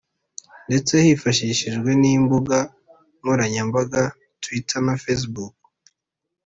ndetse hifashishwa nimbuga nkoranyambaga Twitter na Facebook